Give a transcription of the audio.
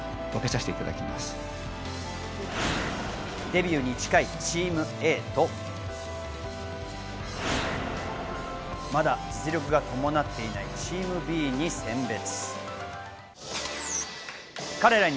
デビューに近いＴｅａｍＡと、まだ実力が伴っていないＴｅａｍＢに選別。